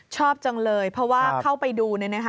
ชอบจังเลยเพราะว่าเข้าไปดู